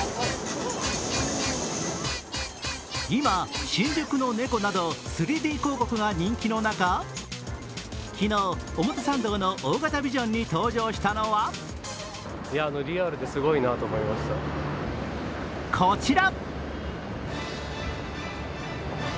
今、新宿の猫など３Ｄ広告が人気の中、昨日、表参道の大型ビジョンに登場したのは、こちら。